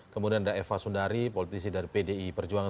kemudian ada eva sundari politisi dari pdi perjuangan